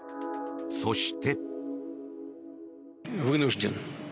そして。